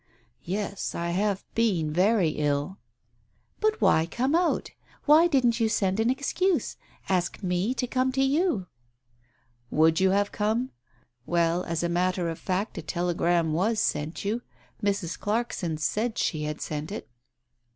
"Yes, I have been very ill." "But why come out? Why didn't you send an excuse — ask me to come to you ?"" Would you have come ? Well, as a matter of fact, a telegram was sent you. Mrs. Clarkson said she had sent it."